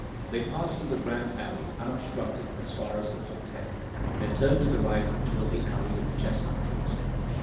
They passed through the grand alley unobstructed as far as the parterres, then turned to the right, toward the alley of the chestnut trees.